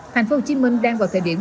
thành phố hồ chí minh đang vào thời điểm